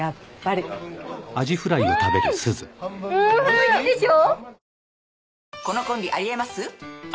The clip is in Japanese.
おいしいでしょ？